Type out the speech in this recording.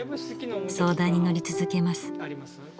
相談にのり続けます。